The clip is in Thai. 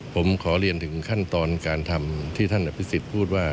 ผมขอเรียนถึงขั้นตอนการทำที่ท่านอภิษฎพูดว่า